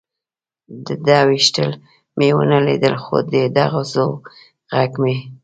د ده وېشتل مې و نه لیدل، خو د ډزو غږ مې.